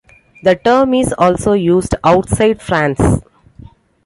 The term is also used outside France.